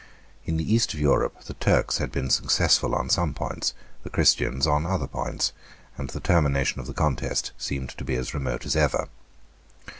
In the cast of Europe the Turks had been successful on some points, the Christians on other points; and the termination of the contest seemed to be as remote as ever.